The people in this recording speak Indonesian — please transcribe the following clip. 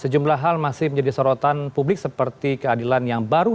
sejumlah hal masih menjadi sorotan publik seperti keadilan yang berlaku di kota